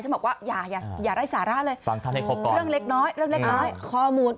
จะบอกว่าอย่าอย่าได้สาระเลยเรื่องเล็กน้อยเรื่องเล็กน้อยข้อมูล